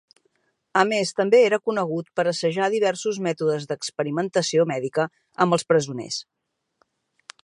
A més també era conegut per assajar diversos mètodes d'experimentació mèdica amb els presoners.